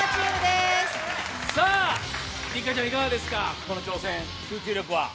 六花ちゃん、いかがですか、この挑戦、集中力は。